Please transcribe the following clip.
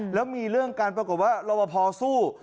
แล้วมีเรื่องกันปรากฏว่ารอบพอสู้